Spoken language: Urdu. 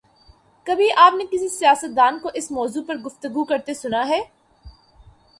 کبھی آپ نے کسی سیاستدان کو اس موضوع پہ گفتگو کرتے سنا ہے؟